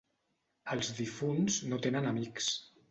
Els difunts no tenen amics.